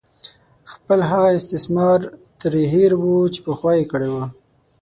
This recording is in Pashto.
خپل هغه استثمار ترې هېر وو چې پخوا یې کړې وه.